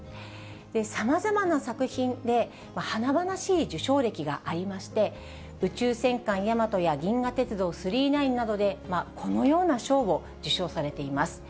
さまざまな作品で華々しい受賞歴がありまして、宇宙戦艦ヤマトや銀河鉄道９９９などで、このような賞を受賞されています。